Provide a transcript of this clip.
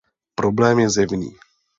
Problém je zjevný.